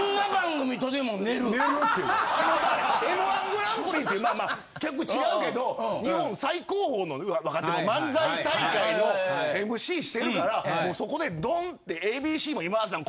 『Ｍ−１グランプリ』ってまあまあ局違うけど日本最高峰の若手の漫才大会のＭＣしてるからもうそこでドンってＡＢＣも今田さん